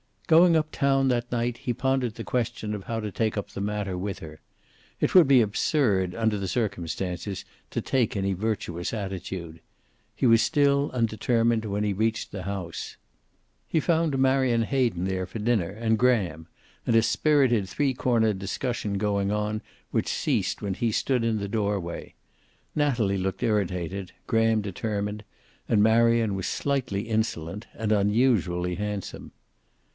Going up town that night he pondered the question of how to take up the matter with her. It would be absurd, under the circumstances, to take any virtuous attitude. He was still undetermined when he reached the house. He found Marion Hayden there for dinner, and Graham, and a spirited three corner discussion going on which ceased when he stood in the doorway. Natalie looked irritated, Graham determined, and Marion was slightly insolent and unusually handsome.